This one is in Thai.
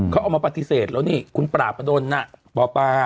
เขาเอามาปฏิเสธแล้วนี่คุณปราบประดนน่ะหมอปลา